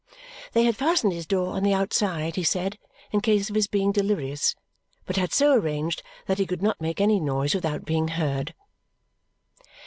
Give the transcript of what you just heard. They had fastened his door on the outside, he said, in case of his being delirious, but had so arranged that he could not make any noise without being heard.